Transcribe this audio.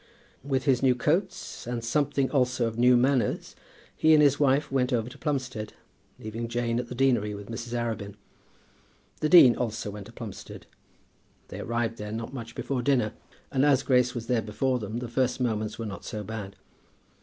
With his new coats, and something, also, of new manners, he and his wife went over to Plumstead, leaving Jane at the deanery with Mrs. Arabin. The dean also went to Plumstead. They arrived there not much before dinner, and as Grace was there before them the first moments were not so bad.